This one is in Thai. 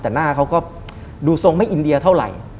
แต่หน้าเขาก็ดูทรงไม่อินเดียเท่าไหร่